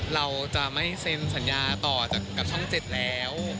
เราจะไม่เซ็นสัญญาต่อกับช่อง๗แล้ว